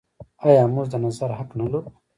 آیا موږ د نظر حق نلرو؟